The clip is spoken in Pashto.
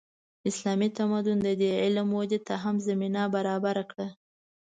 اسلامي تمدن د دې علم ودې ته هم زمینه برابره کړه.